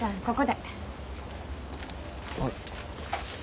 ここで。